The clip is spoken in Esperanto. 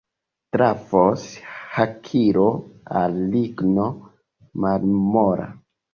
Trafos hakilo al ligno malmola.